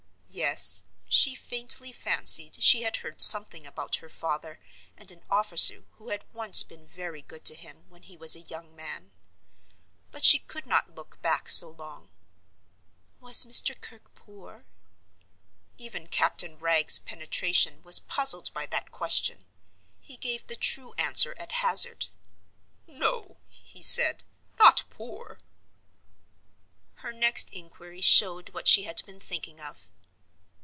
Yes; she faintly fancied she had heard something about her father and an officer who had once been very good to him when he was a young man. But she could not look back so long. "Was Mr. Kirke poor?" Even Captain Wragge's penetration was puzzled by that question. He gave the true answer at hazard. "No," he said, "not poor." Her next inquiry showed what she had been thinking of.